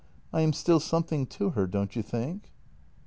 I am still something to her, don't you think?"